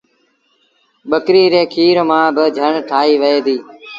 ٻڪريٚ ري کير مآݩ با جھڻ ٺآهيٚ وهي ديٚ۔